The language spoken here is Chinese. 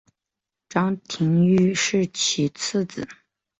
张廷玉是其次子。